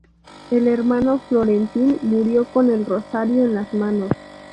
El Hermano Florentín murió con el rosario en las manos.